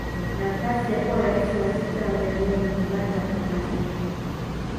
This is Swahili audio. Nafasi ya kuwa Rais wa sita wa jamhuri ya Muungano wa Tanzania